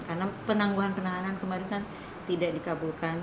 karena penangguhan penanganan kemarin kan tidak dikabulkan